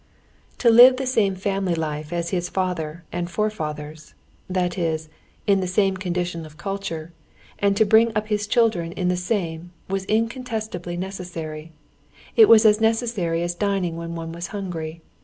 To live the same family life as his father and forefathers—that is, in the same condition of culture—and to bring up his children in the same, was incontestably necessary. It was as necessary as dining when one was hungry.